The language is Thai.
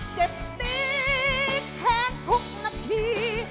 เจ็บดีแทนทุกนาที